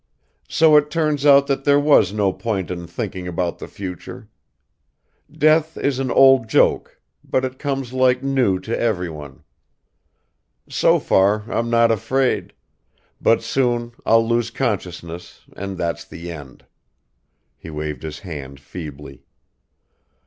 So it turns out that there was no point in thinking about the future. Death is an old joke, but it comes like new to everyone. So far I'm not afraid ... but soon I'll lose consciousness and that's the end!" (He waved his hand feebly.)